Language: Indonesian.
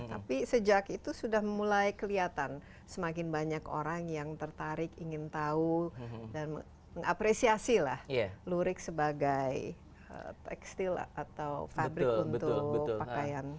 tapi sejak itu sudah mulai kelihatan semakin banyak orang yang tertarik ingin tahu dan mengapresiasi lah lurik sebagai tekstil atau fabrik untuk pakaian